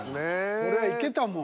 これいけたもん。